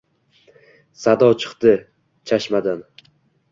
Sado chikdi chashmadan: